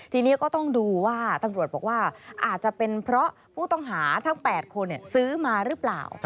ทีนี้ก็ต้องดูว่าตำรวจบอกว่าอาจจะเป็นเพราะผู้ต้องหาทั้ง๘คนซื้อมาหรือเปล่า